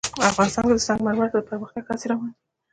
افغانستان کې د سنگ مرمر د پرمختګ هڅې روانې دي.